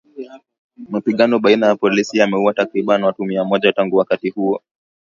Mapigano baina ya polisi yameuwa takribani watu mia moja tangu wakati huo